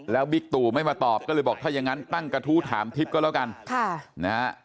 แล้วบิ๊กตู่ไม่มาตอบก็เลยบอกถ้ายังงั้นตั้งกระทู้ถามทิพย์ก็แล้วกันค่ะนะฮะ